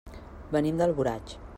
Venim d'Alboraig.